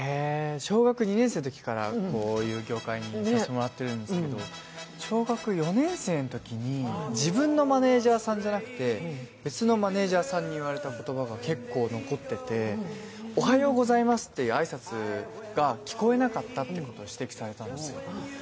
小学２年生のときからこういう業界にいさせてもらってるんですけど小学４年生のときに自分のマネージャーさんじゃなくて他のマネージャーさんから言われたことが結構残ってて、おはようございますっていう挨拶が聞こえなかったと指摘されたんですよ。